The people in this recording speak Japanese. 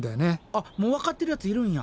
あっもうわかってるやついるんや。